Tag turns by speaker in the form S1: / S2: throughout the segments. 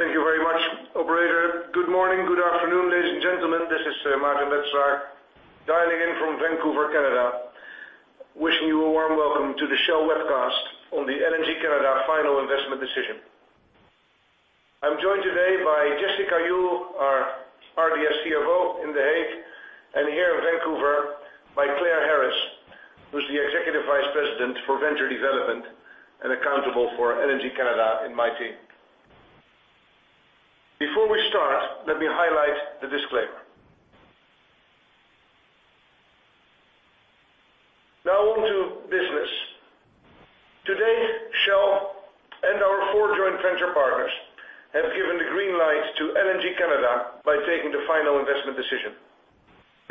S1: Thank you very much, operator. Good morning, good afternoon, ladies and gentlemen. This is Maarten Wetselaar dialing in from Vancouver, Canada, wishing you a warm welcome to the Shell webcast on the LNG Canada final investment decision. I am joined today by Jessica Uhl, our CFO in The Hague, and here in Vancouver by Clare Harris, who is the Executive Vice President for Venture Development and accountable for LNG Canada and my team. Before we start, let me highlight the disclaimer. Now on to business. Today, Shell and our four joint venture partners have given the green light to LNG Canada by taking the final investment decision.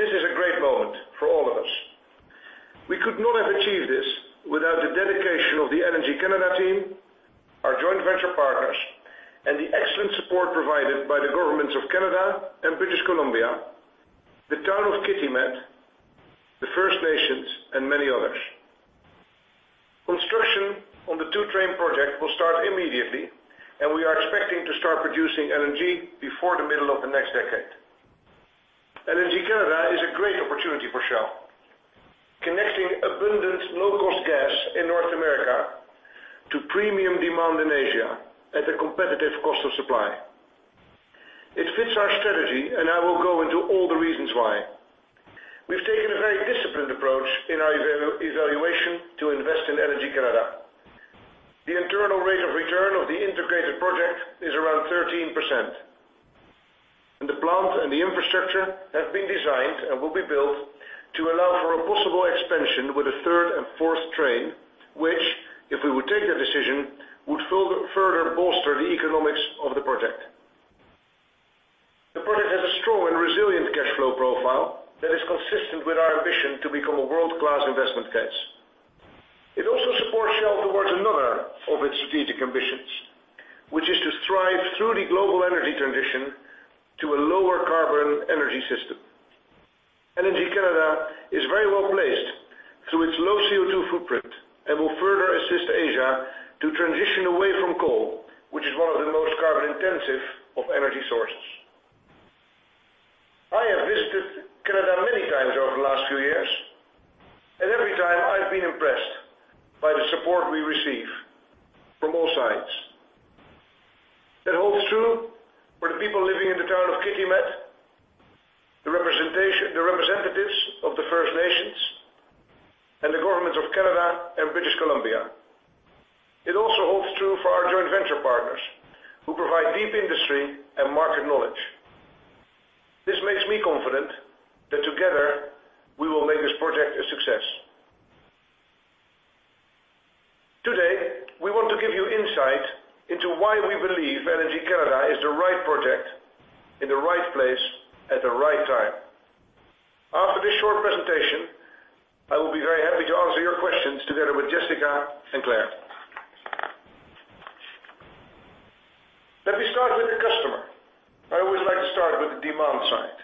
S1: This is a great moment for all of us. We could not have achieved this without the dedication of the LNG Canada team, our joint venture partners, and the excellent support provided by the governments of Canada and British Columbia, the town of Kitimat, the First Nations, and many others. Construction on the two-train project will start immediately, and we are expecting to start producing LNG before the middle of the next decade. LNG Canada is a great opportunity for Shell. Connecting abundant low-cost gas in North America to premium demand in Asia at a competitive cost of supply. It fits our strategy, and I will go into all the reasons why. We have taken a very disciplined approach in our evaluation to invest in LNG Canada. The internal rate of return of the integrated project is around 13%, and the plant and the infrastructure have been designed and will be built to allow for a possible expansion with a third and fourth train, which, if we would take the decision, would further bolster the economics of the project. The project has a strong and resilient cash flow profile that is consistent with our ambition to become a world-class investment case. It also supports Shell towards another of its strategic ambitions, which is to thrive through the global energy transition to a lower carbon energy system. LNG Canada is very well-placed through its low CO2 footprint and will further assist Asia to transition away from coal, which is one of the most carbon-intensive of energy sources. I have visited Canada many times over the last few years, and every time I have been impressed by the support we receive from all sides. That holds true for the people living in the town of Kitimat, the representatives of the First Nations, and the governments of Canada and British Columbia. It also holds true for our joint venture partners who provide deep industry and market knowledge. This makes me confident that together we will make this project a success. Today, we want to give you insight into why we believe LNG Canada is the right project in the right place at the right time. After this short presentation, I will be very happy to answer your questions together with Jessica and Clare. Let me start with the customer. I always like to start with the demand side.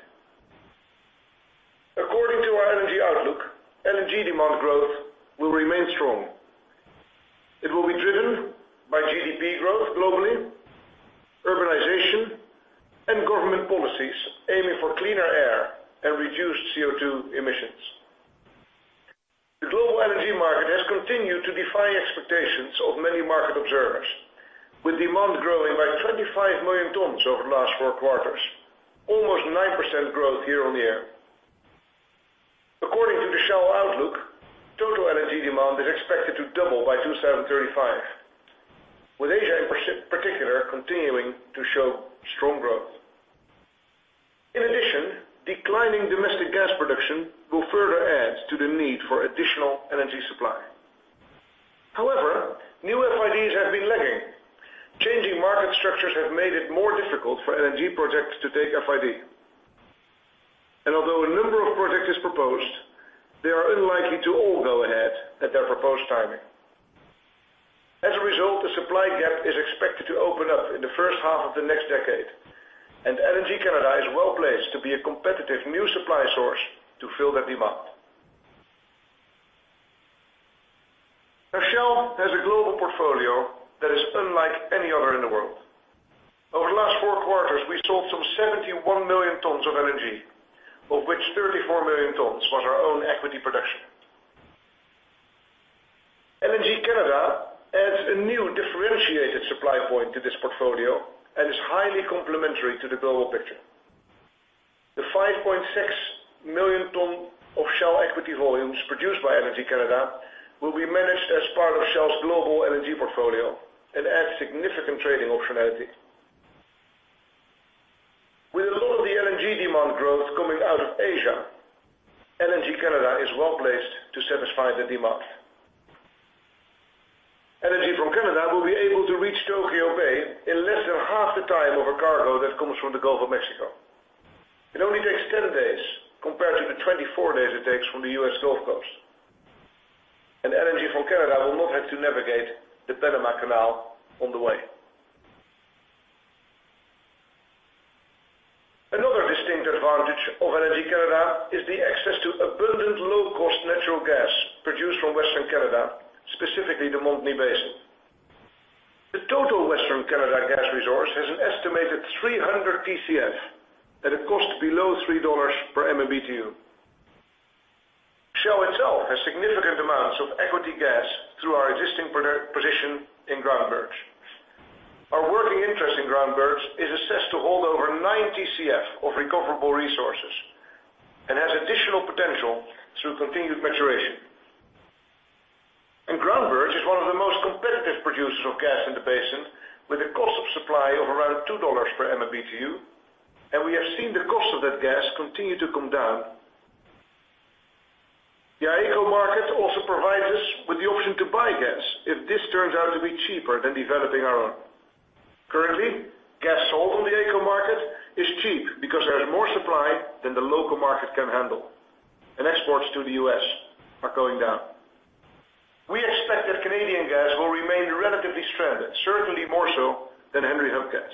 S1: According to our energy outlook, LNG demand growth will remain strong. It will be driven by GDP growth globally, urbanization, and government policies aiming for cleaner air and reduced CO2 emissions. The global LNG market has continued to defy expectations of many market observers, with demand growing by 25 million tons over the last four quarters. Almost 9% growth year-on-year. According to the Shell outlook, total LNG demand is expected to double by 2035, with Asia, in particular, continuing to show strong growth. In addition, declining domestic gas production will further add to the need for additional LNG supply. However, new FIDs have been lagging. Changing market structures have made it more difficult for LNG projects to take FID. Although a number of projects is proposed, they are unlikely to all go ahead at their proposed timing. As a result, a supply gap is expected to open up in the first half of the next decade, and LNG Canada is well-placed to be a competitive new supply source to fill that demand. Now Shell has a global portfolio that is unlike any other in the world. Over the last four quarters, we sold some 71 million tons of LNG, of which 34 million tons was our own equity production. LNG Canada adds a new differentiated supply point to this portfolio and is highly complementary to the global picture. The 5.6 million ton of Shell equity volumes produced by LNG Canada will be managed as part of Shell's global LNG portfolio and adds significant trading optionality. With a lot of the LNG demand growth coming out of Asia, LNG Canada is well-placed to satisfy the demand. LNG from Canada will be able to reach Tokyo Bay in less than half the time of a cargo that comes from the Gulf of Mexico. It only takes 10 days compared to the 24 days it takes from the U.S. Gulf Coast. LNG from Canada will not have to navigate the Panama Canal on the way. A distinct advantage of LNG Canada is the access to abundant low-cost natural gas produced from Western Canada, specifically the Montney Basin. The total Western Canada gas resource has an estimated 300 Tcf at a cost below $3 per MMBtu. Shell itself has significant amounts of equity gas through our existing position in Groundbirch. Our working interest in Groundbirch is assessed to hold over nine Tcf of recoverable resources and has additional potential through continued maturation. Groundbirch is one of the most competitive producers of gas in the basin, with a cost of supply of around $2 per MMBtu, and we have seen the cost of that gas continue to come down. The AECO market also provides us with the option to buy gas if this turns out to be cheaper than developing our own. Currently, gas sold on the AECO market is cheap because there's more supply than the local market can handle, and exports to the U.S. are going down. We expect that Canadian gas will remain relatively stranded, certainly more so than Henry Hub gas.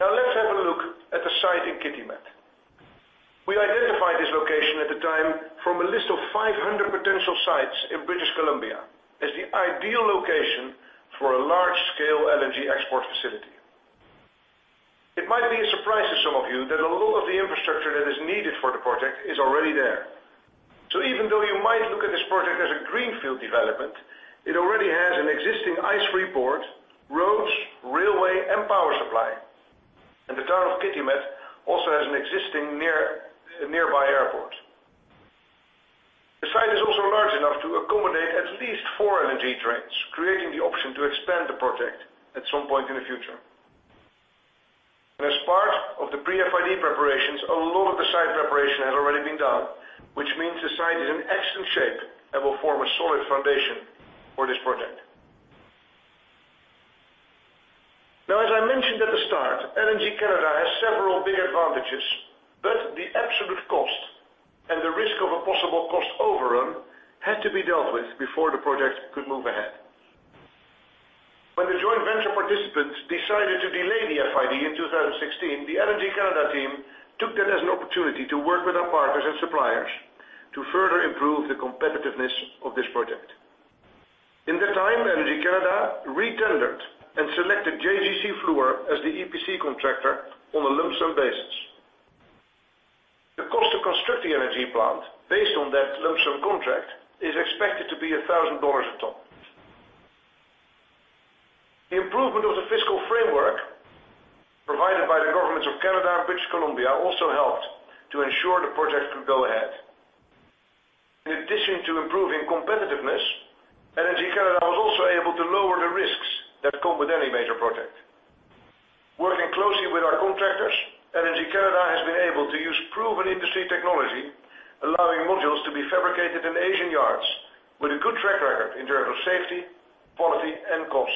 S1: Now let's have a look at the site in Kitimat. We identified this location at the time from a list of 500 potential sites in British Columbia as the ideal location for a large-scale LNG export facility. It might be a surprise to some of you that a lot of the infrastructure that is needed for the project is already there. Even though you might look at this project as a greenfield development, it already has an existing ice-free port, roads, railway, and power supply. The town of Kitimat also has an existing nearby airport. The site is also large enough to accommodate at least four LNG trains, creating the option to expand the project at some point in the future. As part of the pre-FID preparations, a lot of the site preparation has already been done, which means the site is in excellent shape and will form a solid foundation for this project. Now, as I mentioned at the start, LNG Canada has several big advantages, but the absolute cost and the risk of a possible cost overrun had to be dealt with before the project could move ahead. When the joint venture participants decided to delay the FID in 2016, the LNG Canada team took that as an opportunity to work with our partners and suppliers to further improve the competitiveness of this project. In that time, LNG Canada re-tendered and selected JGC Fluor as the EPC contractor on a lump sum basis. The cost to construct the LNG plant based on that lump sum contract is expected to be $1,000 a ton. The improvement of the fiscal framework provided by the governments of Canada and British Columbia also helped to ensure the project could go ahead. In addition to improving competitiveness, LNG Canada was also able to lower the risks that come with any major project. Working closely with our contractors, LNG Canada has been able to use proven industry technology, allowing modules to be fabricated in Asian yards with a good track record in terms of safety, quality, and cost.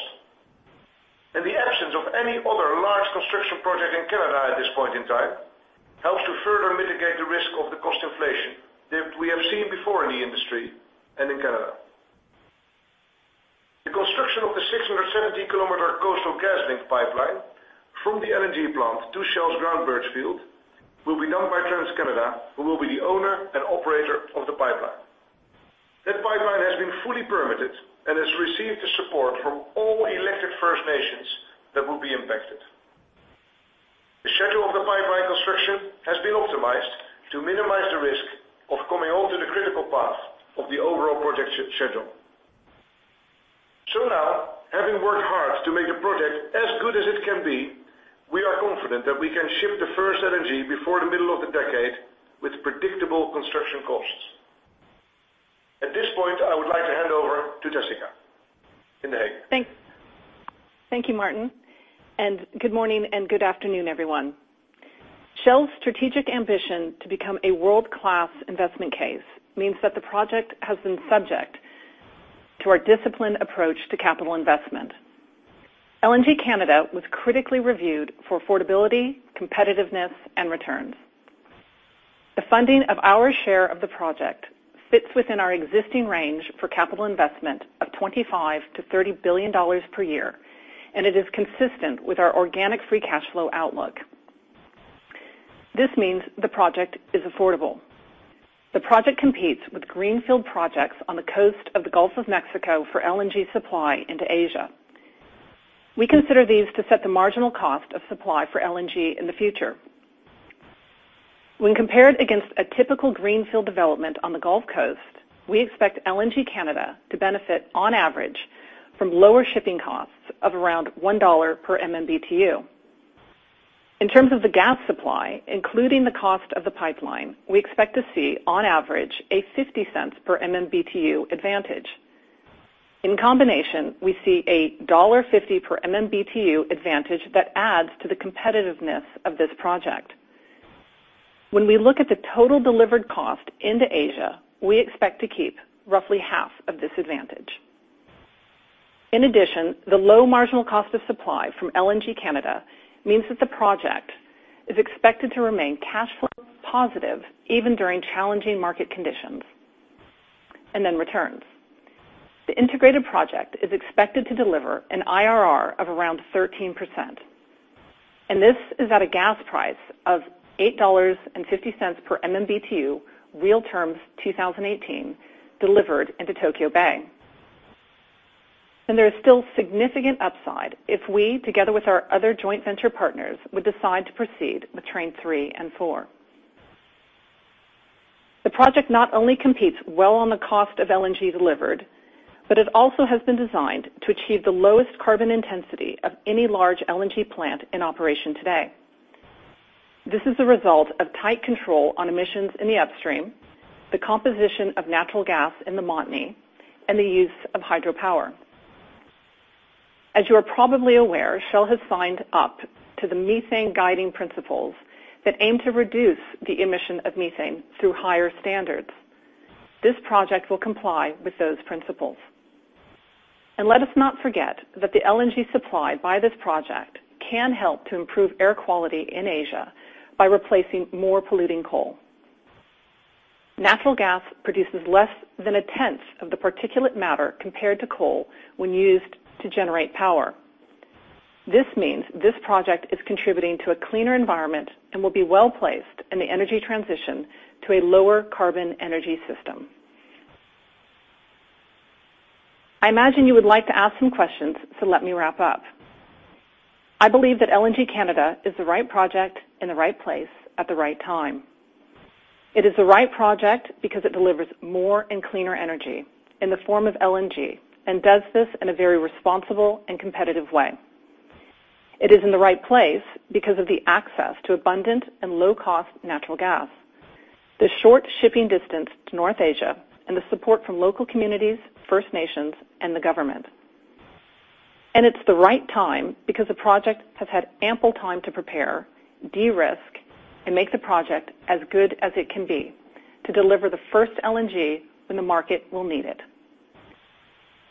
S1: The absence of any other large construction project in Canada at this point in time helps to further mitigate the risk of the cost inflation that we have seen before in the industry and in Canada. The construction of the 670-kilometer Coastal GasLink pipeline from the LNG plant to Shell's Groundbirch field will be done by Trans Canada, who will be the owner and operator of the pipeline. That pipeline has been fully permitted and has received the support from all elected First Nations that will be impacted. The schedule of the pipeline construction has been optimized to minimize the risk of coming onto the critical path of the overall project schedule. Now, having worked hard to make the project as good as it can be, we are confident that we can ship the first LNG before the middle of the decade with predictable construction costs. At this point, I would like to hand over to Jessica in The Hague.
S2: Thank you, Maarten, good morning and good afternoon, everyone. Shell's strategic ambition to become a world-class investment case means that the project has been subject to our disciplined approach to capital investment. LNG Canada was critically reviewed for affordability, competitiveness, and returns. The funding of our share of the project fits within our existing range for capital investment of $25 billion-$30 billion per year, it is consistent with our organic free cash flow outlook. This means the project is affordable. The project competes with greenfield projects on the coast of the Gulf of Mexico for LNG supply into Asia. We consider these to set the marginal cost of supply for LNG in the future. When compared against a typical greenfield development on the Gulf Coast, we expect LNG Canada to benefit, on average, from lower shipping costs of around $1 per MMBtu. In terms of the gas supply, including the cost of the pipeline, we expect to see, on average, a $0.50 per MMBtu advantage. In combination, we see a $1.50 per MMBtu advantage that adds to the competitiveness of this project. When we look at the total delivered cost into Asia, we expect to keep roughly half of this advantage. The low marginal cost of supply from LNG Canada means that the project is expected to remain cash flow positive even during challenging market conditions. Returns. The integrated project is expected to deliver an IRR of around 13%, this is at a gas price of $8.50 per MMBtu, real terms 2018, delivered into Tokyo Bay. There is still significant upside if we, together with our other joint venture partners, would decide to proceed with train 3 and 4. The project not only competes well on the cost of LNG delivered, it also has been designed to achieve the lowest carbon intensity of any large LNG plant in operation today. This is a result of tight control on emissions in the upstream, the composition of natural gas in the Montney, and the use of hydropower. As you are probably aware, Shell has signed up to the Methane Guiding Principles that aim to reduce the emission of methane through higher standards. This project will comply with those principles. Let us not forget that the LNG supplied by this project can help to improve air quality in Asia by replacing more polluting coal. Natural gas produces less than a tenth of the particulate matter compared to coal when used to generate power. This means this project is contributing to a cleaner environment and will be well-placed in the energy transition to a lower carbon energy system. I imagine you would like to ask some questions, let me wrap up. I believe that LNG Canada is the right project in the right place at the right time. It is the right project because it delivers more and cleaner energy in the form of LNG, does this in a very responsible and competitive way. It is in the right place because of the access to abundant and low-cost natural gas, the short shipping distance to North Asia, and the support from local communities, First Nations, and the government. It's the right time because the project has had ample time to prepare, de-risk, and make the project as good as it can be to deliver the first LNG when the market will need it.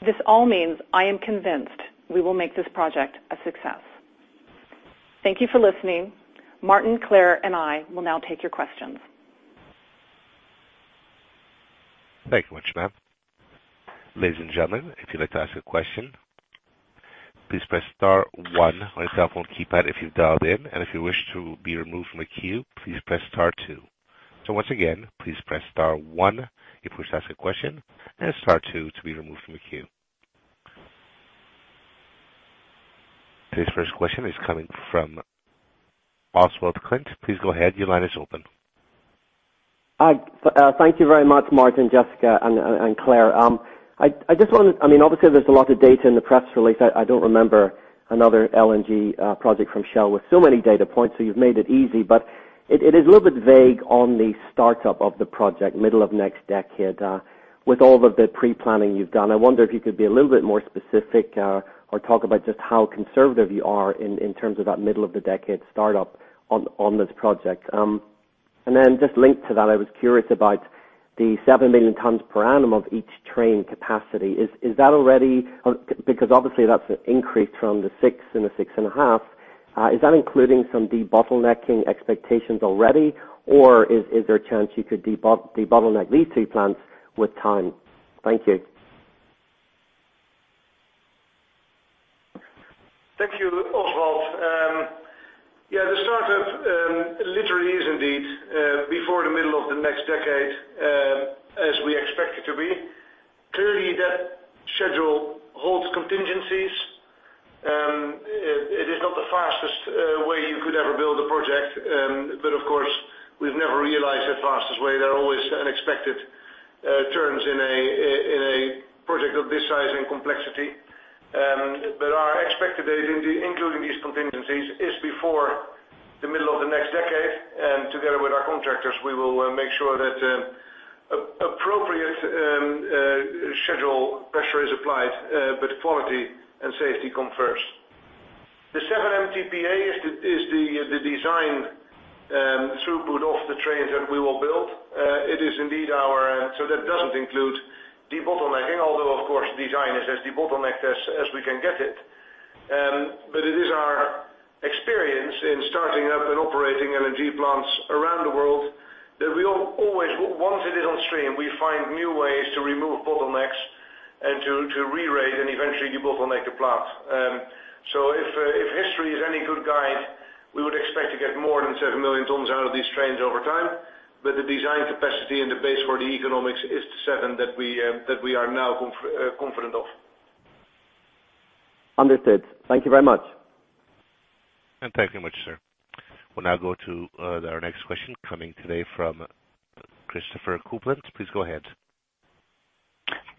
S2: This all means I am convinced we will make this project a success. Thank you for listening. Maarten, Clare, and I will now take your questions.
S3: Thank you much, ma'am. Ladies and gentlemen, if you'd like to ask a question, please press star one on your telephone keypad if you've dialed in. If you wish to be removed from the queue, please press star two. Once again, please press star one if you wish to ask a question, and star two to be removed from the queue. Today's first question is coming from Oswald Clint. Please go ahead. Your line is open.
S4: Hi. Thank you very much, Maarten, Jessica, and Clare. Obviously, there's a lot of data in the press release. I don't remember another LNG project from Shell with so many data points, so you've made it easy. It is a little bit vague on the startup of the project, middle of next decade. With all of the pre-planning you've done, I wonder if you could be a little bit more specific or talk about just how conservative you are in terms of that middle of the decade startup on this project. Then just linked to that, I was curious about the 7 million tons per annum of each train capacity. Because obviously, that's an increase from the 6 and 6.5. Is that including some debottlenecking expectations already, or is there a chance you could debottleneck these two plants with time? Thank you.
S1: Thank you, Oswald. Yeah, the startup literally is indeed before the middle of the next decade, as we expect it to be. Clearly, that schedule holds contingencies. It is not the fastest way you could ever build a project. Of course, we've never realized the fastest way. There are always unexpected turns in a project of this size and complexity. Our expected date, including these contingencies, is before the middle of the next decade. Together with our contractors, we will make sure that appropriate schedule pressure is applied, but quality and safety come first. The 7 MTPA is the design throughput of the trains that we will build. That doesn't include debottlenecking, although, of course, design is as debottlenecked as we can get it. It is our experience in starting up and operating LNG plants around the world that once it is on stream, we find new ways to remove bottlenecks and to rerate and eventually debottleneck a plant. If history is any good guide, we would expect to get more than 7 million tons out of these trains over time. The design capacity and the base for the economics is the 7 that we are now confident of.
S4: Understood. Thank you very much.
S3: Thank you much, sir. We'll now go to our next question coming today from Christopher Kuplent. Please go ahead.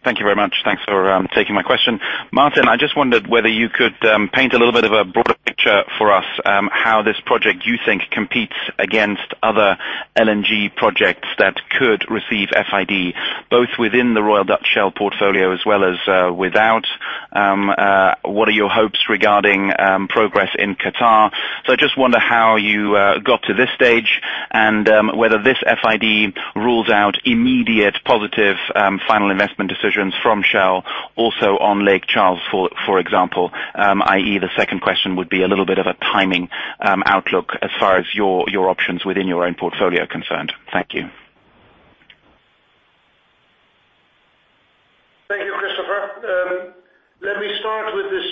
S5: Thank you very much. Thanks for taking my question. Maarten, I just wondered whether you could paint a little bit of a broader picture for us, how this project, you think, competes against other LNG projects that could receive FID, both within the Royal Dutch Shell portfolio as well as without. What are your hopes regarding progress in Qatar? I just wonder how you got to this stage and whether this FID rules out immediate positive final investment decisions from Shell also on Lake Charles, for example, i.e., the second question would be a little bit of a timing outlook as far as your options within your own portfolio are concerned. Thank you.
S1: The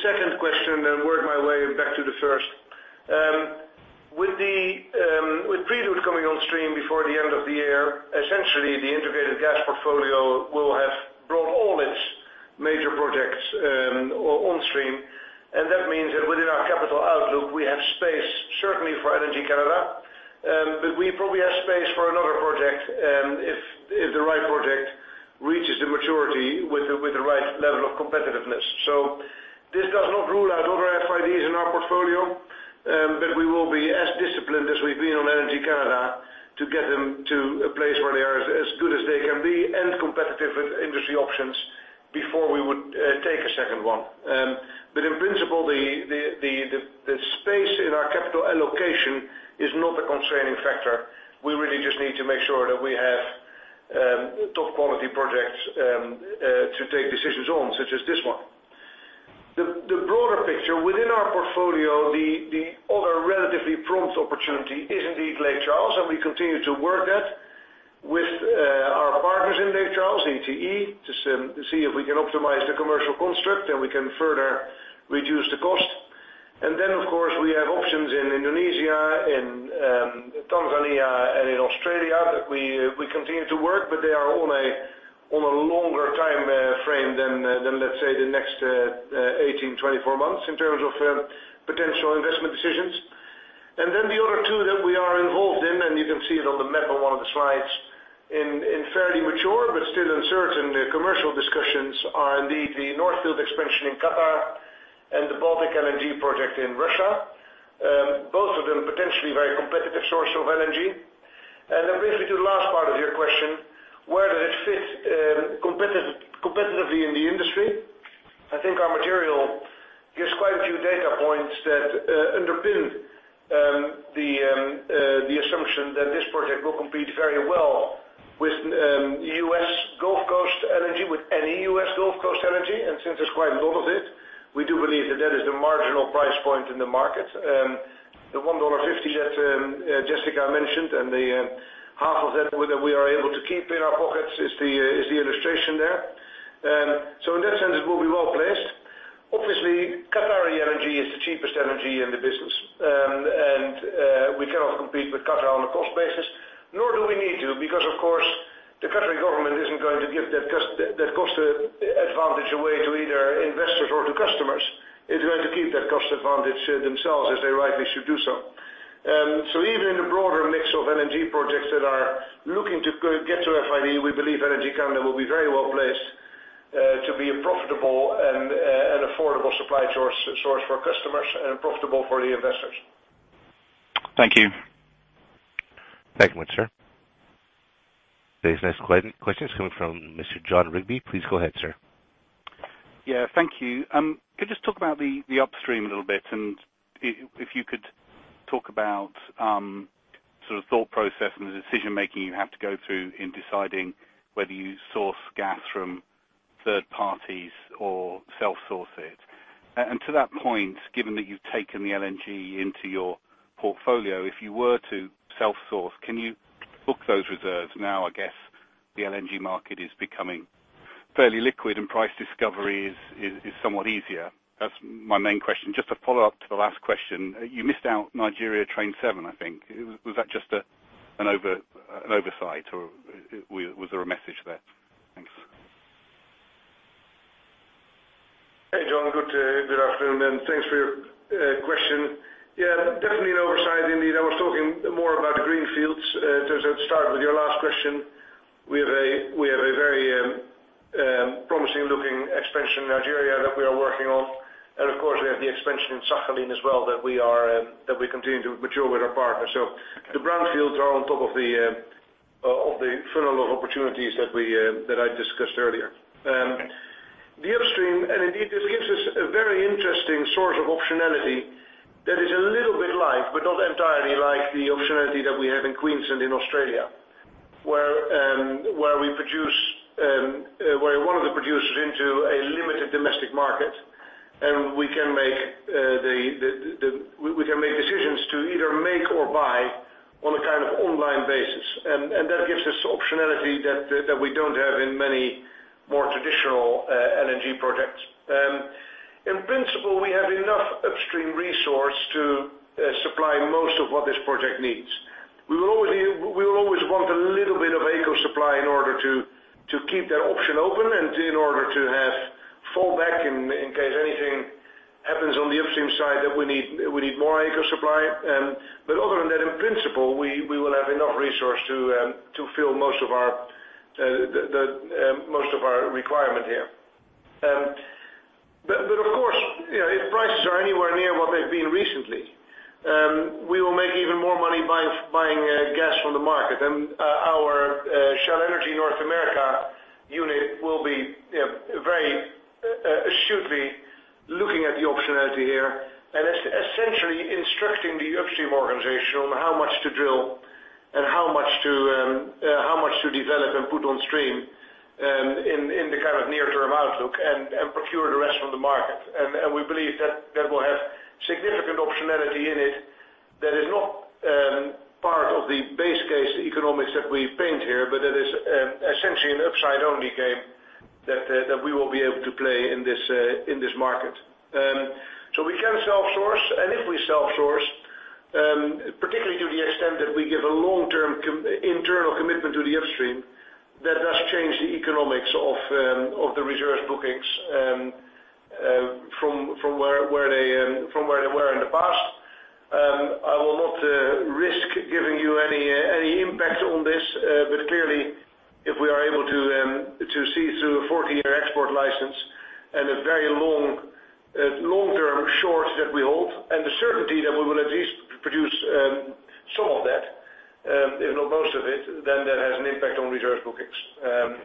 S1: second question, then work my way back to the first. With Prelude coming on stream before the end of the year, essentially, the integrated gas portfolio will have brought all its major projects on stream, and that means that within our capital outlook, we have space, certainly for LNG Canada, but we probably have space for another project if the right project reaches the maturity with the right level of competitiveness. This does not rule out other FIDs in our portfolio, but we will be as disciplined as we've been on LNG Canada to get them to a place where they are as good as they can be and competitive with industry options before we would take a second one. In principle, the space in our capital allocation is not a constraining factor. We really just need to make sure that we have top quality projects to take decisions on, such as this one. The broader picture within our portfolio, the other relatively prompt opportunity is indeed Lake Charles, and we continue to work that with our partners in Lake Charles, LNG to see if we can optimize the commercial construct, and we can further reduce the cost. Of course, we have options in Indonesia, in Tanzania, and in Australia that we continue to work, but they are on a longer timeframe than, let's say, the next 18, 24 months in terms of potential investment decisions. The other two that we are involved in, and you can see it on the map on one of the slides, in fairly mature but still uncertain commercial discussions are indeed the North Field expansion in Qatar and the Baltic LNG project in Russia. Both of them potentially very competitive source of energy. That brings me to the last part of your question, where does it fit competitively in the industry? I think our material gives quite a few data points that underpin the assumption that this project will compete very well with U.S. Gulf Coast energy, with any U.S. Gulf Coast energy. Since there's quite a lot of it, we do believe that that is the marginal price point in the market. The $1.50 that Jessica mentioned and the half of that we are able to keep in our pockets is the illustration there. In that sense, it will be well-placed. Obviously, Qatari energy is the cheapest energy in the business. We cannot compete with Qatar on a cost basis, nor do we need to, because, of course, the Qatari government isn't going to give that cost advantage away to either investors or to customers. It's going to keep that cost advantage themselves as they rightly should do so. Even in the broader mix of LNG projects that are looking to get to FID, we believe LNG Canada will be very well-placed, to be a profitable and affordable supply source for customers and profitable for the investors.
S5: Thank you.
S3: Thank you much, sir. Today's next question is coming from Mr. John Rigby. Please go ahead, sir.
S6: Yeah, thank you. Could just talk about the upstream a little bit, and if you could talk about sort of thought process and the decision-making you have to go through in deciding whether you source gas from third parties or self-source it. To that point, given that you've taken the LNG into your portfolio, if you were to self-source, can you book those reserves now, I guess the LNG market is becoming fairly liquid and price discovery is somewhat easier. That's my main question. Just to follow up to the last question, you missed out Nigeria Train 7, I think. Was that just an oversight, or was there a message there? Thanks.
S1: Hey, John. Good afternoon, and thanks for your question. Yeah, definitely an oversight, indeed. I was talking more about greenfields. To start with your last question, we have a very promising looking expansion in Nigeria that we are working on. Of course, we have the expansion in Sakhalin as well, that we continue to mature with our partners. The brownfields are on top of the funnel of opportunities that I discussed earlier. The upstream, and indeed, this gives us a very interesting source of optionality that is a little bit like, but not entirely like the optionality that we have in Queensland, in Australia, where one of the producers into a limited domestic market, and we can make decisions to either make or buy on a kind of online basis. That gives us optionality that we don't have in many more traditional LNG projects. In principle, we have enough upstream resource to supply most of what this project needs. We will always want a little bit of AECO supply in order to keep that option open and in order to have fallback in case anything happens on the upstream side that we need more AECO supply. Other than that, in principle, we will have enough resource to fill most of our requirement here. Of course, if prices are anywhere near what they've been recently, we will make even more money by buying gas from the market. Our Shell Energy North America unit should be looking at the optionality here and essentially instructing the upstream organization on how much to drill and how much to develop and put on stream, in the kind of near-term outlook and procure the rest from the market. We believe that will have significant optionality in it that is not of the base case economics that we paint here, that is essentially an upside-only game that we will be able to play in this market. We can self-source, and if we self-source, particularly to the extent that we give a long-term internal commitment to the upstream, that does change the economics of the reserve bookings from where they were in the past. I will not risk giving you any impact on this. Clearly, if we are able to see through a 14-year export license and a very long-term short that we hold, and the certainty that we will at least produce some of that, if not most of it, then that has an impact on reserve bookings.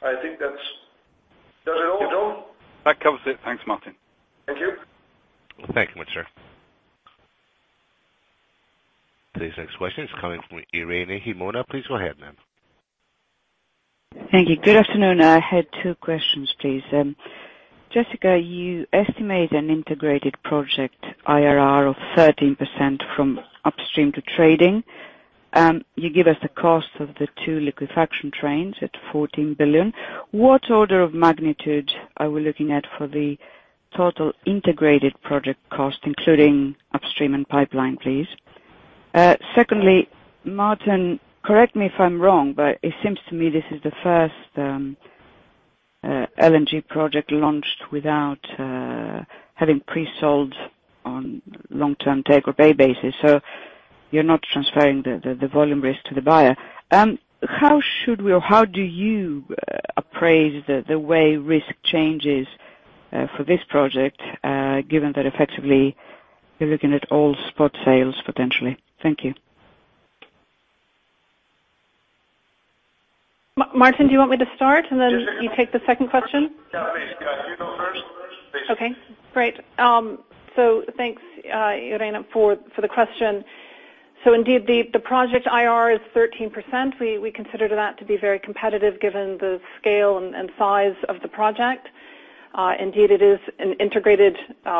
S1: I think that's Does it all, Tom?
S6: That covers it. Thanks, Maarten.
S1: Thank you.
S3: Thank you, sir. Today's next question is coming from Irene Himona. Please go ahead, ma'am.
S7: Thank you. Good afternoon. I had two questions, please. Jessica, you estimate an integrated project IRR of 13% from upstream to trading. You give us the cost of the two liquefaction trains at $14 billion. What order of magnitude are we looking at for the total integrated project cost, including upstream and pipeline, please? Secondly, Maarten, correct me if I'm wrong, but it seems to me this is the first LNG project launched without having pre-sold on long-term take or pay basis. You're not transferring the volume risk to the buyer. How should we, or how do you appraise the way risk changes for this project, given that effectively you're looking at all spot sales potentially? Thank you.
S2: Maarten, do you want me to start?
S1: Yes, sure.
S2: You take the second question?
S1: Yeah, please. You go first, please.
S2: Okay, great. Thanks, Irene, for the question. Indeed, the project IRR is 13%. We consider that to be very competitive given the scale and size of the project. Indeed, it is an integrated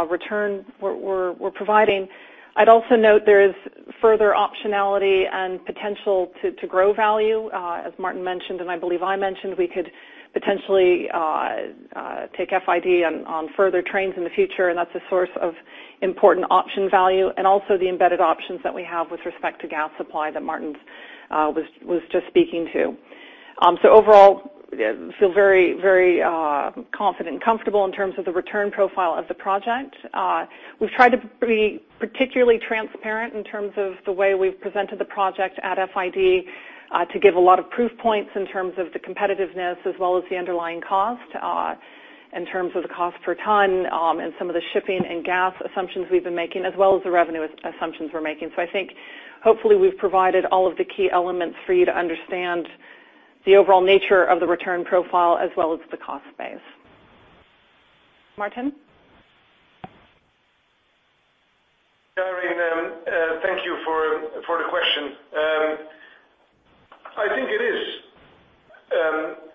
S2: return we're providing. I'd also note there is further optionality and potential to grow value. As Maarten mentioned, and I believe I mentioned, we could potentially take FID on further trains in the future, and that's a source of important option value, and also the embedded options that we have with respect to gas supply that Maarten was just speaking to. Overall, feel very confident and comfortable in terms of the return profile of the project. We've tried to be particularly transparent in terms of the way we've presented the project at FID, to give a lot of proof points in terms of the competitiveness as well as the underlying cost, in terms of the cost per ton and some of the shipping and gas assumptions we've been making, as well as the revenue assumptions we're making. I think hopefully, we've provided all of the key elements for you to understand the overall nature of the return profile as well as the cost base. Maarten?
S1: Irene, thank you for the question. I think it is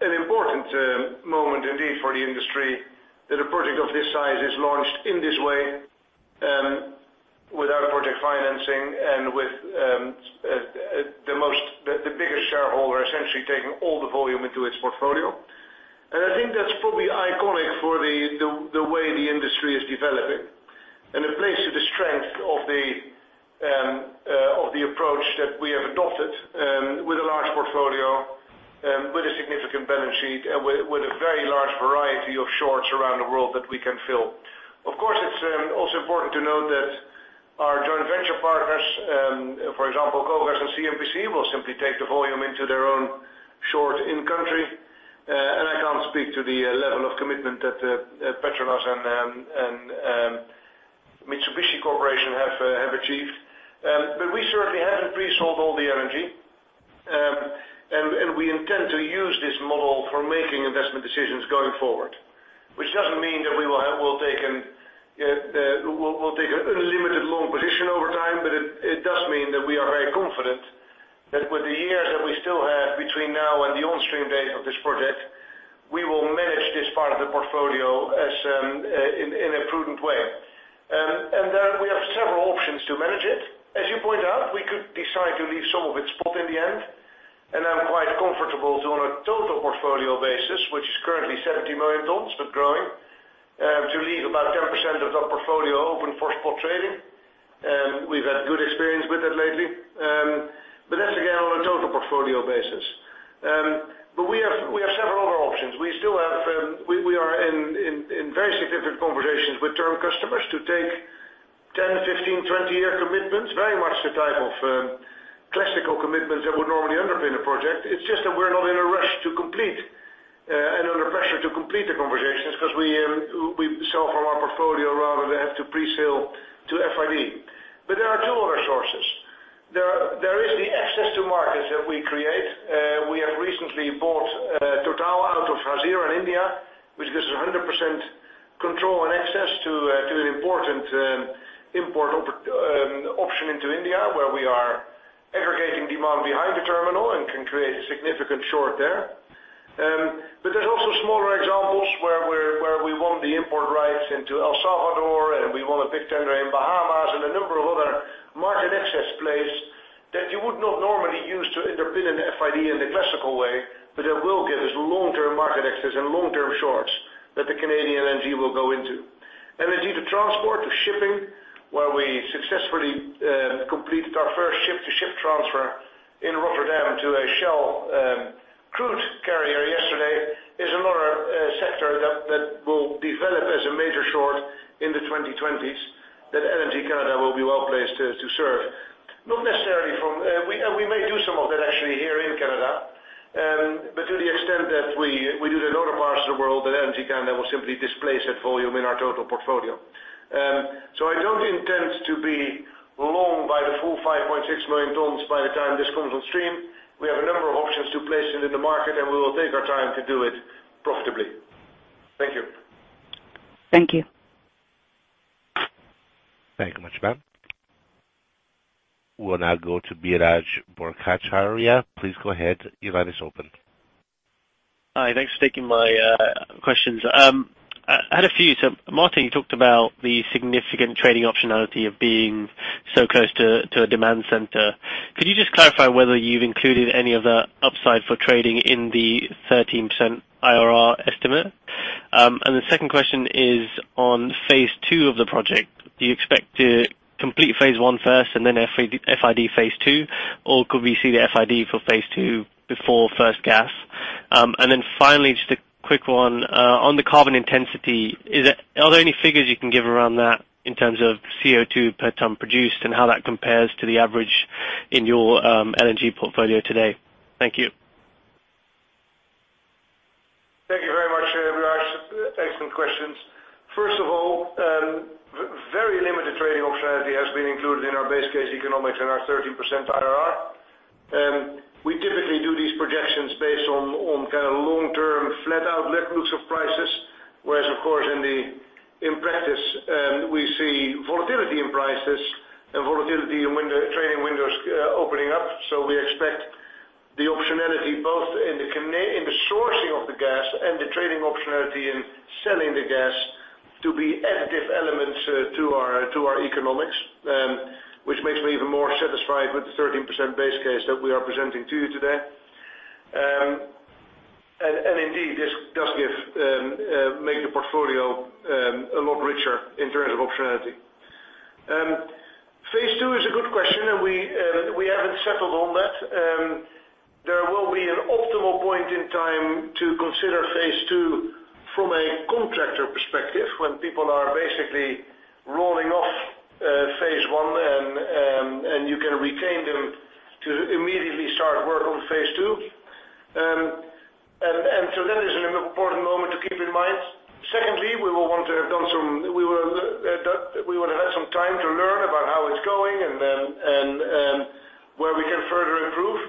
S1: an important moment indeed for the industry, that a project of this size is launched in this way, without project financing and with the biggest shareholder essentially taking all the volume into its portfolio. I think that's probably iconic for the way the industry is developing. It plays to the strength of the approach that we have adopted, with a large portfolio, with a significant balance sheet, and with a very large variety of shorts around the world that we can fill. Of course, it's also important to note that our joint venture partners, for example, KOGAS and CNPC, will simply take the volume into their own short in country. I can't speak to the level of commitment that Petronas and Mitsubishi Corporation have achieved. We certainly haven't pre-sold all the energy. We intend to use this model for making investment decisions going forward. Which doesn't mean that we'll take a limited long position over time, but it does mean that we are very confident that with the years that we still have between now and the on-stream date of this project, we will manage this part of the portfolio in a prudent way. Then we have several options to manage it. As you point out, we could decide to leave some of it spot in the end, and I'm quite comfortable to, on a total portfolio basis, which is currently 70 million tons, but growing, to leave about 10% of that portfolio open for spot trading. We've had good experience with it lately. That's, again, on a total portfolio basis. We have several other options. We are in very significant conversations with term customers to take 10, 15, 20-year commitments, very much the type of classical commitments that would normally underpin a project. It's just that we're not in a rush to complete and under pressure to complete the conversations because we sell from our portfolio rather than have to pre-sale to FID. There are two other sources. There is the access to markets that we create. We have recently bought Total out of Hazira in India, which gives us 100% control and access to an important import option into India, where we are aggregating demand behind the terminal and can create a significant short there. There's also smaller examples where we won the import rights into El Salvador, and we won a big tender in Bahamas and a number of other market access plays that you would not normally use to underpin an FID in the classical way, but it will give us long-term market access and long-term shorts that the Canadian LNG will go into. LNG to transport to shipping, where we successfully completed our first ship-to-ship transfer in Rotterdam to a Shell crude carrier yesterday, is another sector that will develop as a major short in the 2020s that LNG Canada will be well placed to serve. We may do some of that actually here in Canada, but to the extent that we do it in other parts of the world, that LNG Canada will simply displace that volume in our total portfolio. I don't intend to be long by the full 5.6 million tons by the time this comes on stream. We have a number of options to place it in the market, and we will take our time to do it profitably. Thank you.
S7: Thank you.
S3: Thank you much, ma'am. We'll now go to Biraj Borkhataria. Please go ahead. Your line is open.
S8: Hi, thanks for taking my questions. I had a few. Maarten, you talked about the significant trading optionality of being so close to a demand center. Could you just clarify whether you've included any of the upside for trading in the 13% IRR estimate? The second question is on phase two of the project. Do you expect to complete phase one first and then FID phase two, or could we see the FID for phase two before first gas? Finally, just a quick one, on the carbon intensity, are there any figures you can give around that in terms of CO2 per ton produced and how that compares to the average in your LNG portfolio today? Thank you.
S1: Thank you very much, Biraj. Excellent questions. First of all, very limited trading optionality has been included in our base case economics and our 13% IRR. We typically do these projections based on long-term flat outlet looks of prices. Whereas, of course, in practice, we see volatility in prices and volatility in trading windows opening up. We expect the optionality, both in the sourcing of the gas and the trading optionality in selling the gas to be additive elements to our economics, which makes me even more satisfied with the 13% base case that we are presenting to you today. Indeed, this does make the portfolio a lot richer in terms of optionality. Phase 2 is a good question, and we haven't settled on that. There will be an optimal point in time to consider phase 2 from a contractor perspective, when people are basically rolling off phase 1, and you can retain them to immediately start work on phase 2. That is an important moment to keep in mind. Secondly, we would have had some time to learn about how it's going and where we can further improve.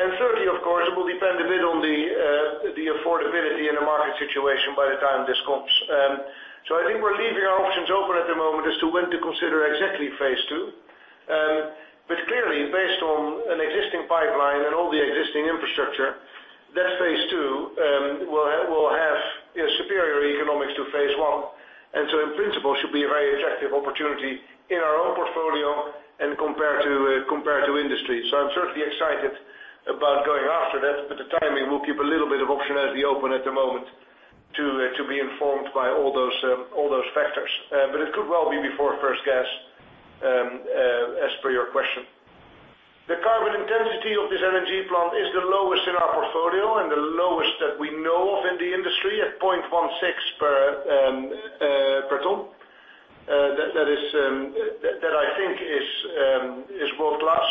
S1: Thirdly, of course, it will depend a bit on the affordability and the market situation by the time this comes. I think we're leaving our options open at the moment as to when to consider exactly phase 2. Clearly, based on an existing pipeline and all the existing infrastructure, that phase 2 will have superior economics to phase 1. In principle, should be a very attractive opportunity in our own portfolio and compared to industry. I'm certainly excited about going after that, the timing will keep a little bit of optionality open at the moment to be informed by all those factors. It could well be before first gas, as per your question. The carbon intensity of this LNG plant is the lowest in our portfolio and the lowest that we know of in the industry at 0.16 per ton. That, I think is world-class.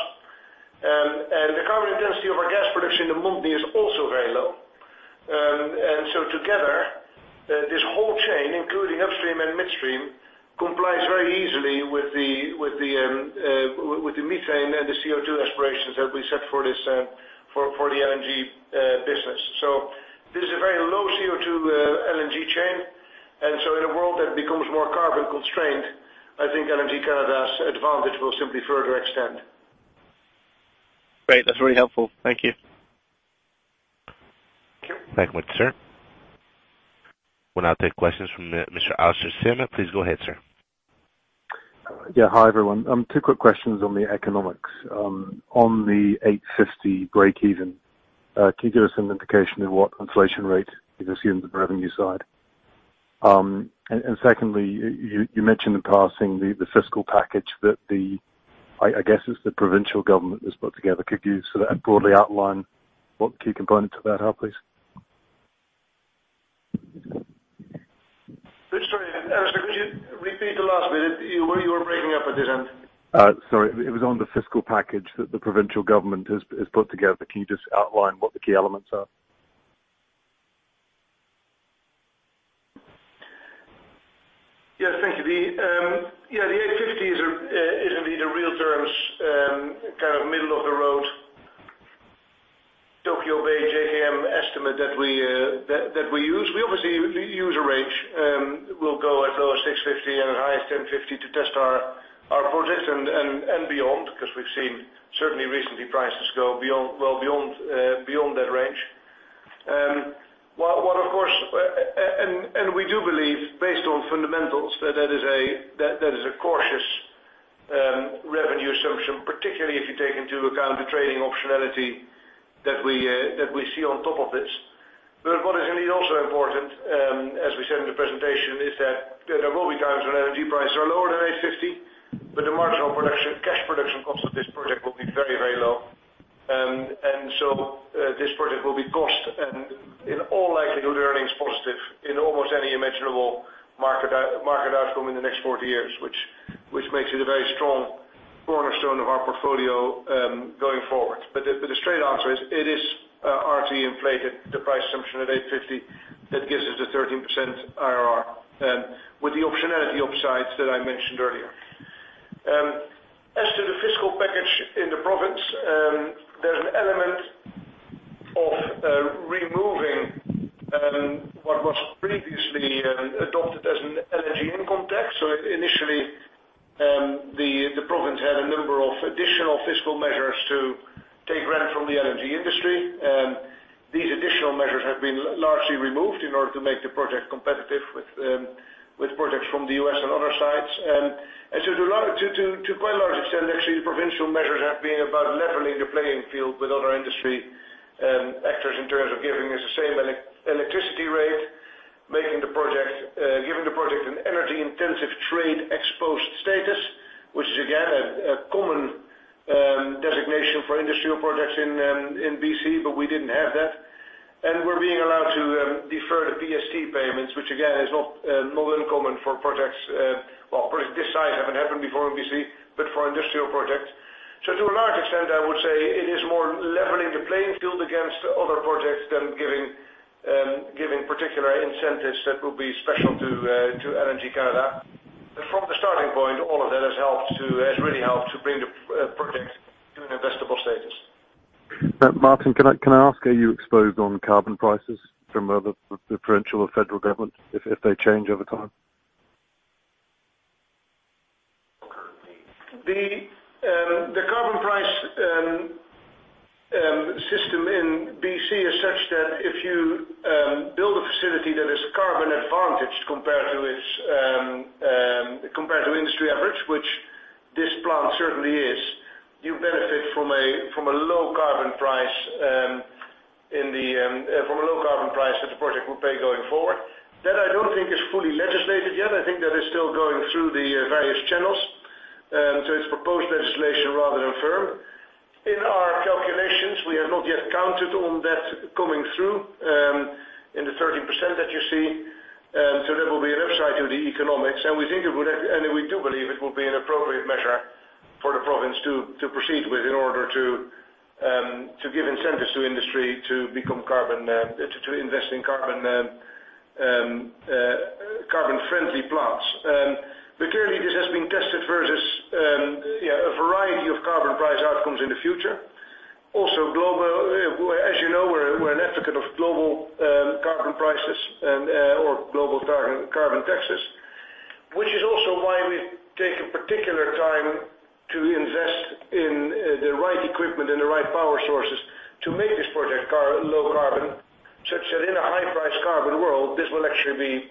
S1: The carbon intensity of our gas production in the Montney is also very low. Together, this whole chain, including upstream and midstream, complies very easily with the methane and the CO2 aspirations that we set for the LNG business. This is a very low CO2 LNG chain. In a world that becomes more carbon constrained, I think LNG Canada's advantage will simply further extend.
S8: Great. That's very helpful. Thank you.
S1: Thank you.
S3: Thank you much, sir. We'll now take questions from Mr. Alastair Syme. Please go ahead, sir.
S9: Yeah. Hi, everyone. Two quick questions on the economics. On the 850 breakeven, can you give us an indication of what inflation rate you've assumed on the revenue side? Secondly, you mentioned in passing the fiscal package that the, I guess, it's the provincial government has put together. Could you sort of broadly outline what key components of that are, please?
S1: Sorry, Alastair, could you repeat the last bit? You were breaking up at this end.
S9: Sorry. It was on the fiscal package that the provincial government has put together. Can you just outline what the key elements are?
S1: Yes, thank you. The $8.50 is indeed a real terms, kind of middle of the road Tokyo Bay JKM estimate that we use. We obviously use a range. We'll go as low as $6.50 and as high as $10.50 to test Our position and beyond, because we've seen certainly recently prices go well beyond that range. We do believe based on fundamentals, that is a cautious revenue assumption, particularly if you take into account the trading optionality that we see on top of it. What is indeed also important, as we said in the presentation, is that there will be times when energy prices are lower than $8.50, but the marginal production, cash production cost of this project will be very low. This project will be cost, and in all likelihood, earnings positive in almost any imaginable market outcome in the next 40 years, which makes it a very strong cornerstone of our portfolio, going forward. The straight answer is, it is RT inflated the price assumption at $8.50 that gives us the 13% IRR, with the optionality upsides that I mentioned earlier. As to the fiscal package in the province, there's an element of removing what was previously adopted as an energy income tax. Initially, the province had a number of additional fiscal measures to take rent from the energy industry. These additional measures have been largely removed in order to make the project competitive with projects from the U.S. and other sites. To quite a large extent, actually, provincial measures have been about leveling the playing field with other industry actors in terms of giving us the same electricity rate, giving the project an Energy-Intensive Trade-Exposed status, which is again, a common designation for industrial projects in B.C., but we didn't have that. We're being allowed to defer the PST payments, which again, is not uncommon for projects, well, projects this size haven't happened before in B.C., but for industrial projects. To a large extent, I would say it is more leveling the playing field against other projects than giving particular incentives that will be special to LNG Canada. From the starting point, all of that has really helped to bring the project to an investable status.
S9: Maarten, can I ask, are you exposed on carbon prices from the provincial or federal government if they change over time?
S1: The carbon price system in B.C. is such that if you build a facility that is carbon advantaged compared to industry average, which this plant certainly is, you benefit from a low carbon price that the project will pay going forward. That I don't think is fully legislated yet. I think that is still going through the various channels. It's proposed legislation rather than firm. In our calculations, we have not yet counted on that coming through, in the 13% that you see. That will be an upside to the economics, and we do believe it will be an appropriate measure for the province to proceed with in order to give incentives to industry to invest in carbon friendly plants. Clearly this has been tested versus a variety of carbon price outcomes in the future. Also, as you know, we're an advocate of global carbon prices or global carbon taxes, which is also why we take particular time to invest in the right equipment and the right power sources to make this project low carbon, such that in a high-price carbon world, this will add to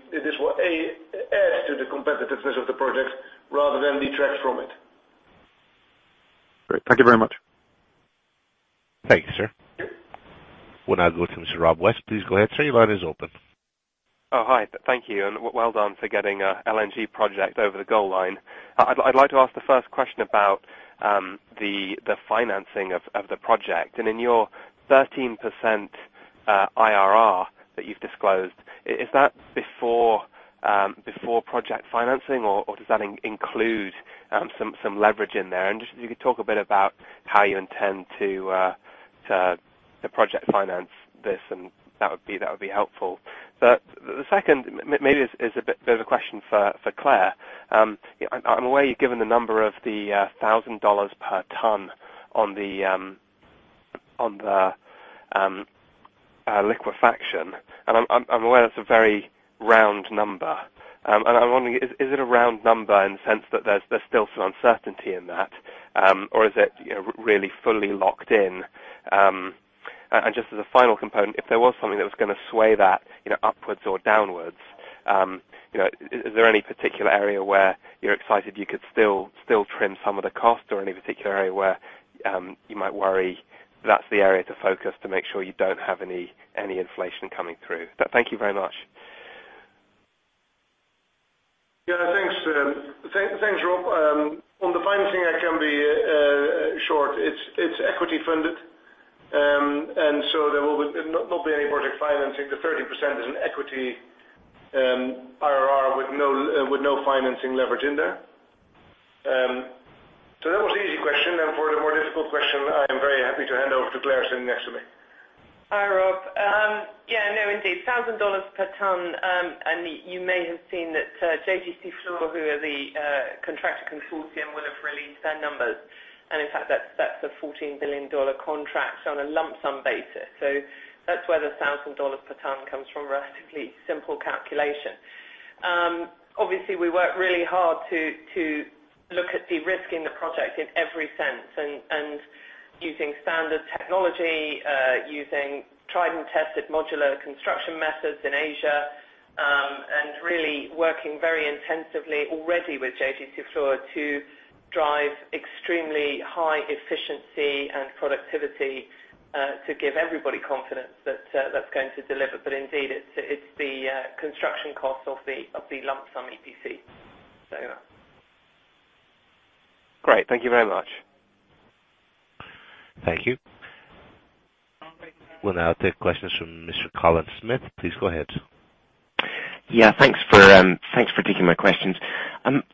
S1: the competitiveness of the project rather than detract from it.
S9: Great. Thank you very much.
S3: Thank you, sir. We'll now go to Mr. Rob West. Please go ahead, sir. Your line is open.
S10: Hi. Thank you. Well done for getting LNG project over the goal line. I'd like to ask the first question about the financing of the project. In your 13% IRR that you've disclosed, is that before project financing, or does that include some leverage in there? If you could talk a bit about how you intend to project finance this, that would be helpful. The second, maybe there's a question for Clare. I'm aware you've given the number of the $1,000 per tonne on the liquefaction, I'm aware that's a very round number. I'm wondering, is it a round number in the sense that there's still some uncertainty in that? Or is it really fully locked in? Just as a final component, if there was something that was going to sway that upwards or downwards, is there any particular area where you're excited you could still trim some of the cost or any particular area where you might worry that's the area to focus to make sure you don't have any inflation coming through? Thank you very much.
S1: Thanks, Rob. On the financing, I can be short. It's equity funded, and so there will not be any project financing. The 30% is an equity IRR with no financing leverage in there. That was the easy question. Now for the more difficult question, I am very happy to hand over to Clare, sitting next to me.
S11: Hi, Rob. Yeah, no, indeed, $1,000 per ton. You may have seen that JGC Fluor, who are the contractor consortium, will have released their numbers. In fact, that's a $14 billion contract on a lump sum basis. That's where the $1,000 per ton comes from, a relatively simple calculation. Obviously, we work really hard to look at de-risking the project in every sense, and using standard technology, using tried and tested modular construction methods in Asia, and really working very intensively already with JGC Corporation to drive extremely high efficiency and productivity, to give everybody confidence that's going to deliver. Indeed, it's the construction cost of the lump sum EPC. Yeah.
S10: Great. Thank you very much.
S3: Thank you. We'll now take questions from Mr. Colin Smith. Please go ahead.
S12: Yeah, thanks for taking my questions.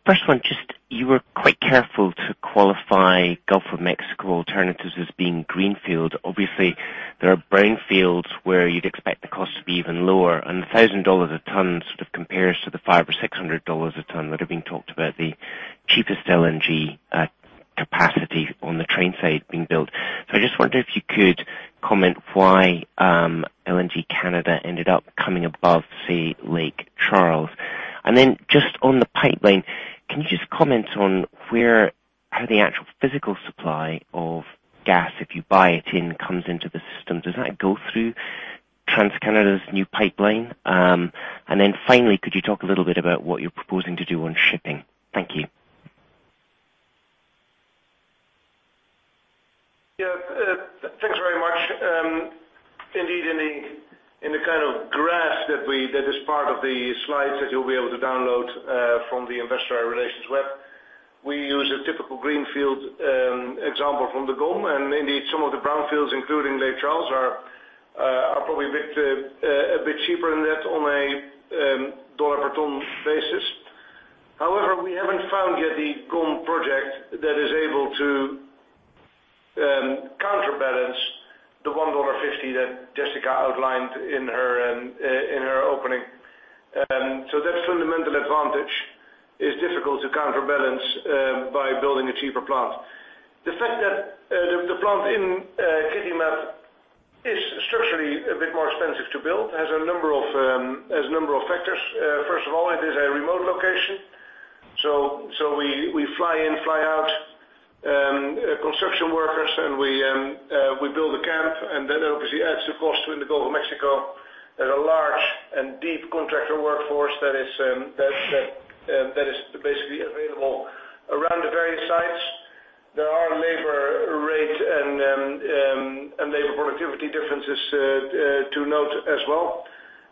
S12: First one, just you were quite careful to qualify Gulf of Mexico alternatives as being greenfield. Obviously, there are brownfields where you'd expect the cost to be even lower, $1,000 a ton sort of compares to the $500 or $600 a ton that are being talked about, the cheapest LNG capacity on the train side being built. I just wonder if you could comment why LNG Canada ended up coming above, say, Lake Charles. Then just on the pipeline, can you just comment on how the actual physical supply of gas, if you buy it in, comes into the system? Does that go through TransCanada's new pipeline? Then finally, could you talk a little bit about what you're proposing to do on shipping? Thank you.
S1: Yeah. Thanks very much. Indeed in the kind of graph that is part of the slides that you'll be able to download from the investor relations web, we use a typical greenfield example from the GOM, and indeed some of the brownfields, including Lake Charles, are probably a bit cheaper than that on a dollar per ton basis. However, we haven't found yet the GOM project that is able to counterbalance the $1.50 that Jessica outlined in her opening. That fundamental advantage is difficult to counterbalance by building a cheaper plant. The fact that the plant in Kitimat is structurally a bit more expensive to build, has a number of factors. First of all, it is a remote location, so we fly in, fly out construction workers, and we build a camp, and that obviously adds to cost. In the Gulf of Mexico, there's a large and deep contractor workforce that is basically available around the various sites. There are labor rate and labor productivity differences to note as well.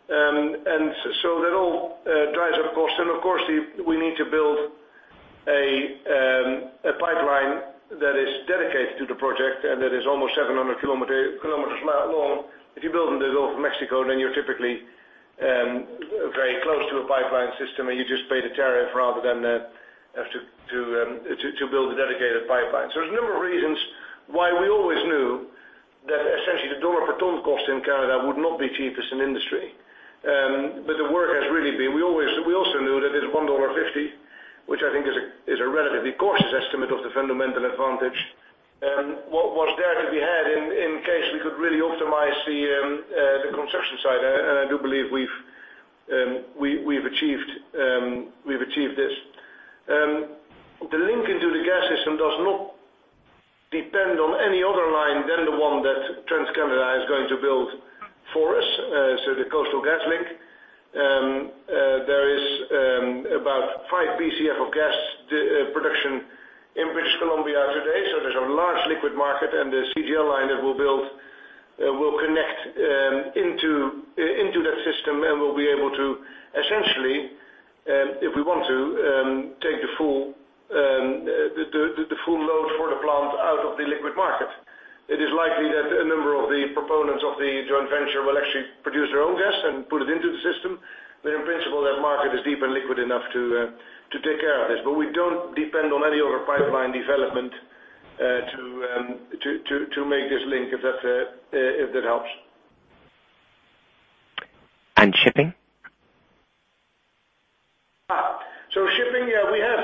S1: That all drives up cost. Of course, we need to build a pipeline that is dedicated to the project and that is almost 700 km long. If you build in the Gulf of Mexico, then you're typically very close to a pipeline system, and you just pay the tariff rather than have to build a dedicated pipeline. There's a number of reasons why we always knew that essentially the dollar per ton cost in Canada would not be cheapest in industry. The work has really been, we also knew that this $1.50, which I think is a relatively cautious estimate of the fundamental advantage, what was there that we had in case we could really optimize the construction side, and I do believe we've achieved this. The link into the gas system does not depend on any other line than the one that TransCanada is going to build for us, the Coastal GasLink. There is about 5 Bcf of gas production in British Columbia today, there's a large liquid market, and the CGL line that we'll build will connect into that system, and we'll be able to, essentially, if we want to, take the full load for the plant out of the liquid market. It is likely that a number of the proponents of the joint venture will actually produce their own gas and put it into the system. In principle, that market is deep and liquid enough to take care of this. We don't depend on any other pipeline development to make this link, if that helps.
S12: Shipping?
S1: Shipping, yeah, we have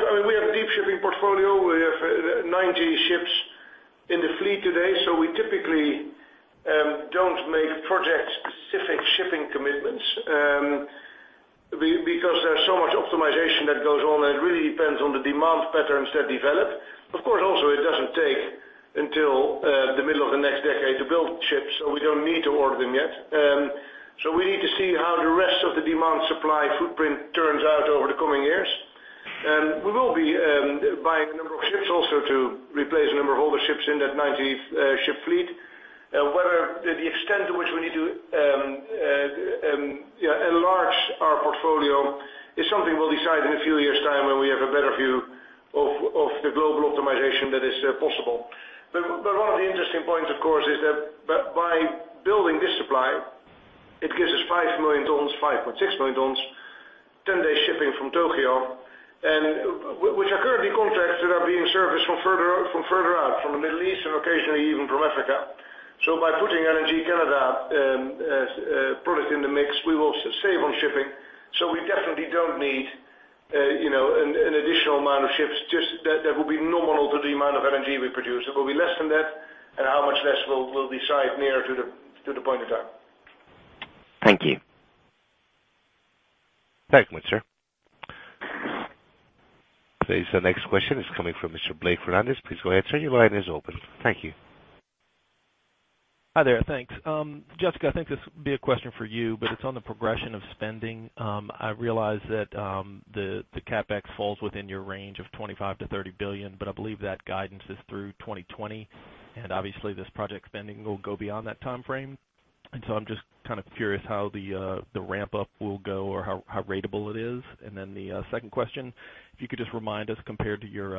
S1: a deep shipping portfolio. We have 90 ships in the fleet today, so we typically don't make project-specific shipping commitments, because there's so much optimization that goes on, and it really depends on the demand patterns that develop. Of course, also, it doesn't take until the middle of the next decade to build ships, so we don't need to order them yet. We need to see how the rest of the demand supply footprint turns out over the coming years. We will be buying a number of ships also to replace a number of older ships in that 90-ship fleet. Whether the extent to which we need to enlarge our portfolio is something we'll decide in a few years' time when we have a better view of the global optimization that is possible. One of the interesting points, of course, is that by building this supply, it gives us 5 million tons, 5.6 million tons, 10-day shipping from Tokyo, and which are currently contracts that are being serviced from further out, from occasionally even from Africa. By putting LNG Canada product in the mix, we will save on shipping. We definitely don't need an additional amount of ships. Just that will be normal to the amount of energy we produce. It will be less than that, and how much less we'll decide nearer to the point of time.
S12: Thank you.
S3: Thank you, sir. Today's next question is coming from Mr. Blake Fernandez. Please go ahead, sir, your line is open. Thank you.
S13: Hi there. Thanks. Jessica, I think this will be a question for you, but it's on the progression of spending. I realize that the CapEx falls within your range of $25 billion-$30 billion, but I believe that guidance is through 2020, and obviously this project spending will go beyond that timeframe. I'm just curious how the ramp up will go or how ratable it is. The second question, if you could just remind us, compared to your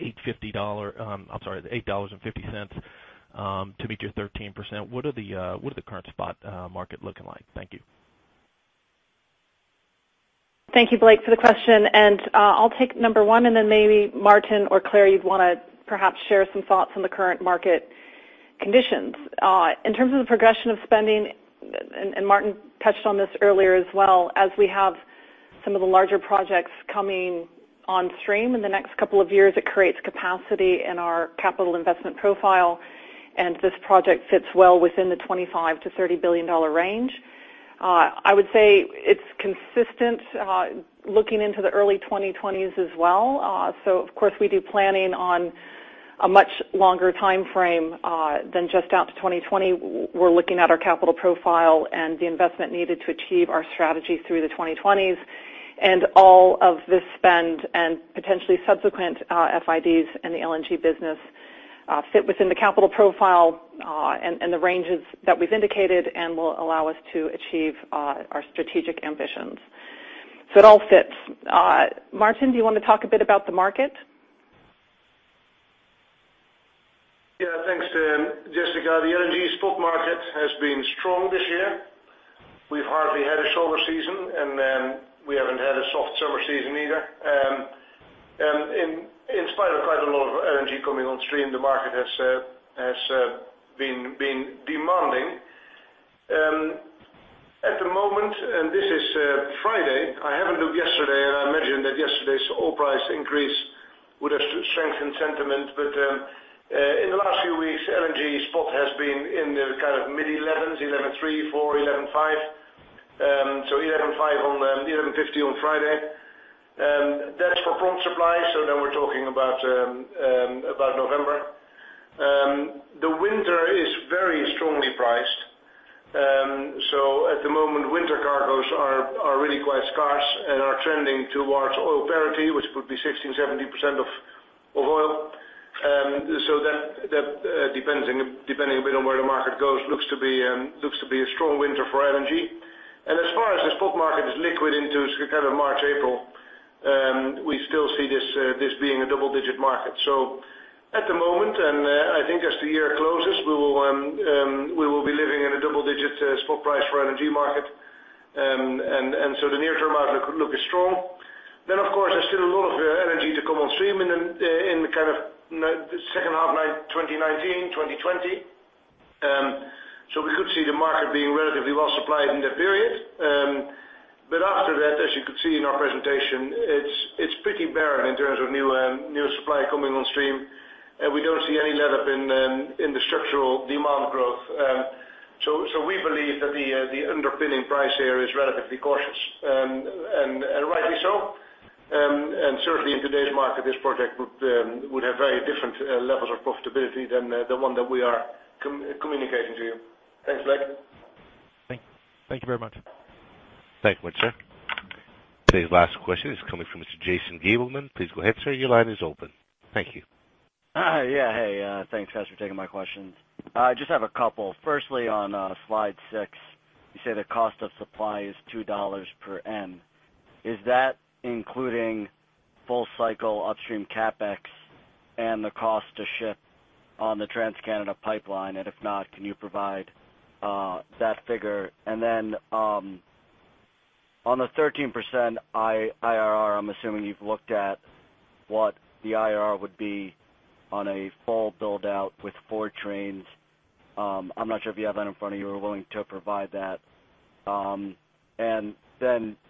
S13: $8.50 to meet your 13%, what are the current spot market looking like? Thank you.
S2: Thank you, Blake, for the question. I'll take number 1 and then maybe Maarten or Clare, you'd want to perhaps share some thoughts on the current market conditions. In terms of the progression of spending, and Maarten touched on this earlier as well, as we have some of the larger projects coming on stream in the next couple of years, it creates capacity in our capital investment profile, and this project fits well within the $25 billion-$30 billion range. I would say it's consistent, looking into the early 2020s as well. Of course, we do planning on a much longer timeframe, than just out to 2020. We're looking at our capital profile and the investment needed to achieve our strategy through the 2020s. All of this spend and potentially subsequent FIDs in the LNG business, fit within the capital profile, and the ranges that we've indicated and will allow us to achieve our strategic ambitions. It all fits. Maarten, do you want to talk a bit about the market?
S1: Thanks, Jessica. The LNG spot market has been strong this year. We've hardly had a shoulder season, and then we haven't had a soft summer season either. In spite of quite a lot of LNG coming on stream, the market has been demanding. At the moment, and this is Friday, I haven't looked yesterday, and I imagine that yesterday's oil price increase would have strengthened sentiment, but, in the last few weeks, LNG spot has been in the kind of mid-$11s, $11.3, $11.4, $11.5. $11.50 on Friday. That's for prompt supply, we're talking about November. The winter is very strongly priced. At the moment, winter cargoes are really quite scarce and are trending towards oil parity, which would be 16%-17% of oil. That depending a bit on where the market goes, looks to be a strong winter for LNG. As far as the spot market is liquid into kind of March, April, we still see this being a double-digit market. At the moment, and I think as the year closes, we will be living in a double-digit spot price for LNG market. The near-term outlook looks strong. Of course, there's still a lot of LNG to come on stream in the second half 2019, 2020. We could see the market being relatively well supplied in that period. After that, as you could see in our presentation, it's pretty barren in terms of new supply coming on stream. We don't see any letup in the structural demand growth. We believe that the underpinning price here is relatively cautious. Rightly so, and certainly in today's market, this project would have very different levels of profitability than the one that we are communicating to you. Thanks, Blake.
S13: Thank you very much.
S3: Thank you, sir. Today's last question is coming from Mr. Jason Gabelman. Please go ahead, sir. Your line is open. Thank you.
S14: Yeah. Hey, thanks guys for taking my questions. I just have a couple. Firstly, on slide six, you say the cost of supply is $2 per MMBtu. If not, can you provide that figure? On the 13% IRR, I'm assuming you've looked at what the IRR would be on a full build-out with four trains. I'm not sure if you have that in front of you or willing to provide that.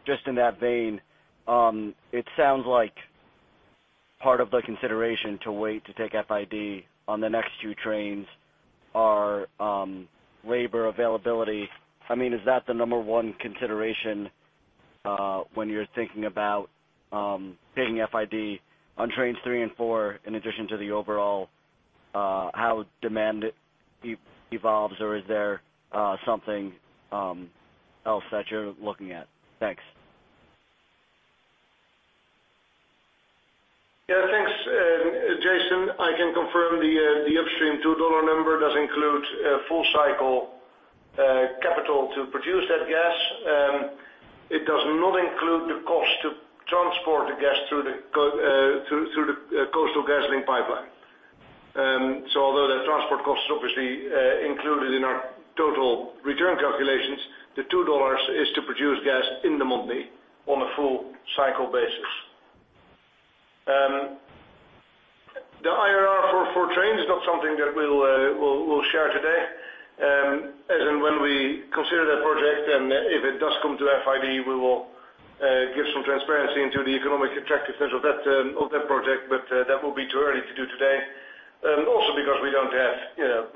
S14: Just in that vein, it sounds like part of the consideration to wait to take FID on the next two trains are labor availability. Is that the number 1 consideration when you're thinking about taking FID on trains three and four, in addition to the overall, how demand evolves? Is there something else that you're looking at? Thanks.
S1: Yeah, thanks, Jason. I can confirm the upstream $2 number does include full cycle capital to produce that gas. It does not include the cost to transport the gas through the Coastal GasLink pipeline. Although the transport cost is obviously included in our total return calculations, the $2 is to produce gas in the AECO on a full cycle basis. The IRR for trains is not something that we'll share today. When we consider that project, and if it does come to FID, we will give some transparency into the economic attractiveness of that project, but that will be too early to do today. Because we don't have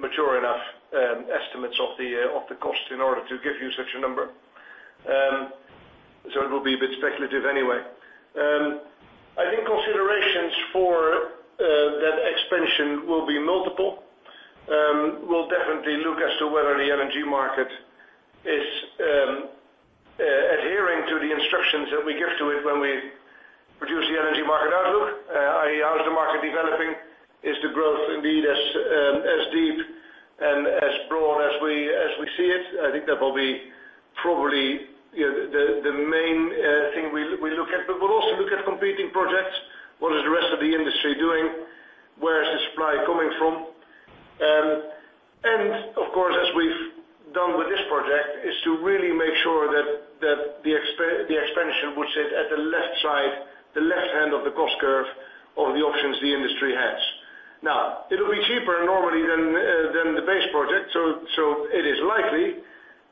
S1: mature enough estimates of the cost in order to give you such a number. It will be a bit speculative anyway. I think considerations for that expansion will be multiple. We'll definitely look as to whether the LNG market is adhering to the instructions that we give to it when we produce the LNG market outlook. I.e., how is the market developing, is the growth indeed as deep and as broad as we see it? I think that will be probably the main thing we look at. We'll also look at competing projects. What is the rest of the industry doing? Where is the supply coming from? Of course, as we've done with this project, is to really make sure that the expansion would sit at the left side, the left hand of the cost curve of the options the industry has. It will be cheaper normally than the base project, so it is likely,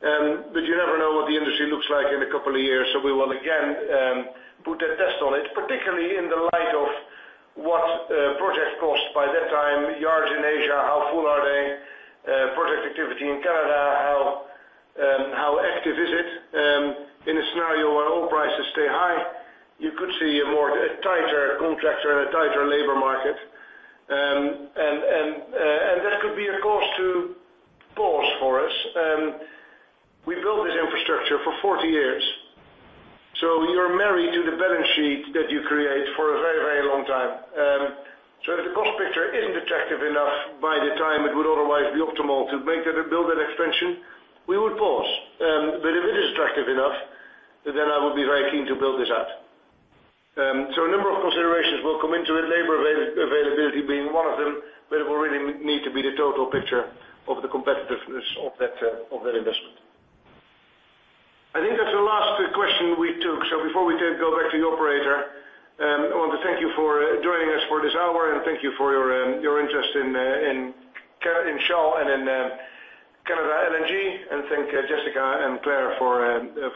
S1: but you never know what the industry looks like in a couple of years. We will, again, put a test on it, particularly in the light of what project cost by that time, yards in Asia, how full are they, project activity in Canada, how active is it? In a scenario where oil prices stay high, you could see a tighter contractor and a tighter labor market. That could be a cause to pause for us. We build this infrastructure for 40 years. You're married to the balance sheet that you create for a very long time. If the cost picture isn't attractive enough by the time it would otherwise be optimal to build that expansion, we would pause. If it is attractive enough, then I would be very keen to build this out. A number of considerations will come into it, labor availability being one of them, but it will really need to be the total picture of the competitiveness of that investment. I think that's the last question we took. Before we go back to the operator, I want to thank you for joining us for this hour, and thank you for your interest in Shell and in LNG Canada. Thank Jessica and Clare for